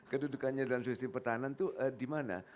kedudukannya dalam sistem pertahanan itu di mana